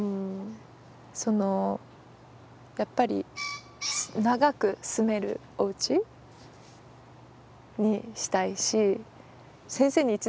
そのやっぱり長く住めるおうちにしたいし。